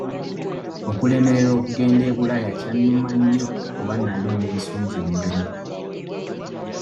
Okulemererwa okugenda e Bulaaya kyannuma nnyo kuba nali neesunze ennyonyi.